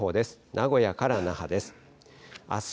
名古屋から那覇です。